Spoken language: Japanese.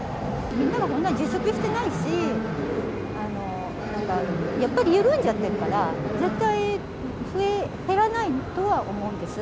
みんながそんな自粛してないし、やっぱり緩んじゃってるから、絶対減らないとは思うんです。